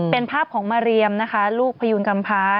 เป็นภาพของมาเรียมนะคะลูกพยูนกำพา